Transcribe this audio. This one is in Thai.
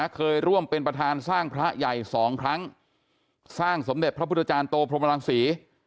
เคยร่วมเป็นประธานสร้างพระใหญ่๒ครั้งสร้างสมเด็จพระพุทธจารย์โตพรหมรังศรี